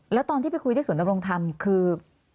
แล้วตอนที่ไปคุยที่ศูนยำรงธรรมคือ